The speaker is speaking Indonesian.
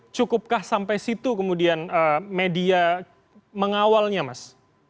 cukupkah sampai situ kemudian media mengawalnya mas